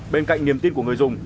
bên cạnh niềm tin của người dùng